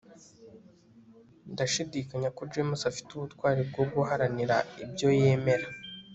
ndashidikanya ko james afite ubutwari bwo guharanira ibyo yemera